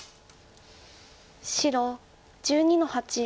白１２の八。